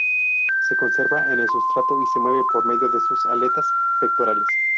Se conserva en el sustrato y se mueve por medio de sus aletas pectorales.